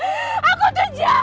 aku tuh jahat rado